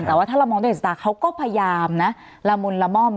แต่ว่าถ้าเรามองด้วยสตาร์เขาก็พยายามนะละมุนละม่อม